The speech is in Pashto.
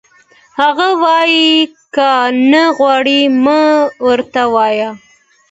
هغه وویل: که نه غواړي، مه راته وایه.